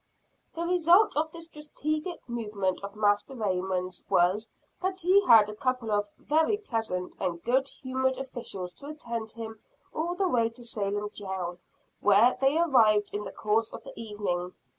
The result of this strategic movement of Master Raymond's, was that he had a couple of very pleasant and good humored officials to attend him all the way to Salem jail, where they arrived in the course of the evening.